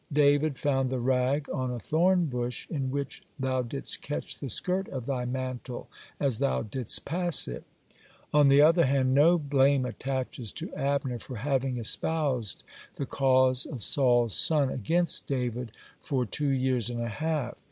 "David found the rag on a thornbush in which thou didst catch the skirt of thy mantle as thou didst pass it." (94) On the other hand, no blame attaches to Abner for having espoused the cause of Saul's son against David for two years and a half.